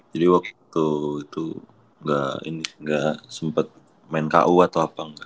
jadi waktu itu gak sempet main ku atau apa enggak